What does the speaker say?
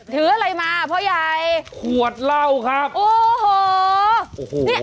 ถืออะไรมาพ่อใหญ่ขวดเหล้าครับโอ้โหเนี่ย